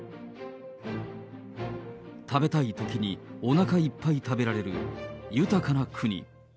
食べたいときにおなかいっぱい食べられる豊かな国。